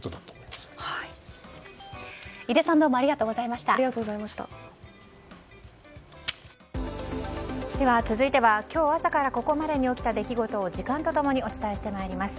では続いては今日朝からここまでに起きた出来事を時間と共にお伝えしてまいります。